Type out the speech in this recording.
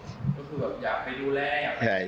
ก็คือแบบอยากไปดูแล